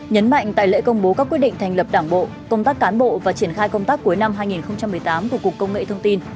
nhấn mạnh tại lễ công bố các quyết định thành lập đảng bộ công tác cán bộ và triển khai công tác cuối năm hai nghìn một mươi tám của cục công nghệ thông tin